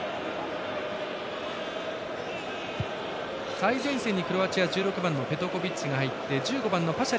最前線にクロアチア１６番、ペトコビッチが入って１５番のパシャ